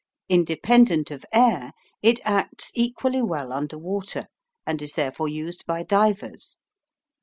Independent of air, it acts equally well under water, and is therefore used by divers.